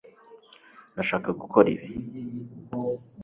ndashaka gukora ibi